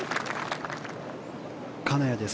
金谷です。